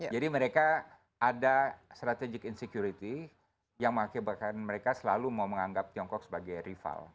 jadi mereka ada strategik insecurity yang mengakibatkan mereka selalu menganggap tiongkok sebagai rival